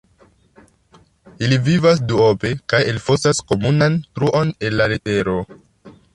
Ili vivas duope kaj elfosas komunan truon en la tero.